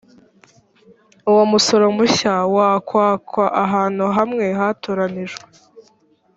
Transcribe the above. uwo musoro mushya wakwakwa ahantu hamwe hatoranijwe